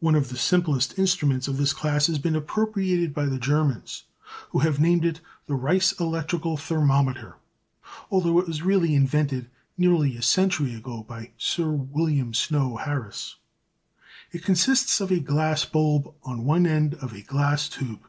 One of the simplest instruments of this class has been appropriated by the Germans, who have named it the "Reiss Electrical Thermometer," although it was really invented nearly a century ago by Sir William Snow Harris. It consists of a glass bulb on one end of a glass tube.